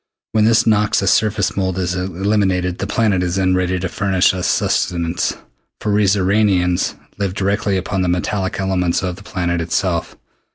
When this noxious surface mold is eliminated, the planet is then ready to furnish us sustenance, for we Xoranians live directly upon the metallic elements of the planet itself.